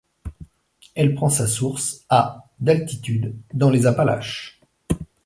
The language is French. Elle prend sa source à d'altitude dans les Appalaches.